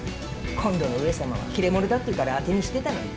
今度の上様は切れ者だっていうから当てにしてたのに。